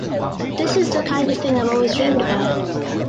This is the kind of thing I’ve always dreamed about.